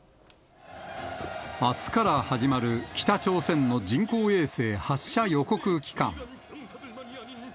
あすから始まる北朝鮮の人工衛星発射予告期間。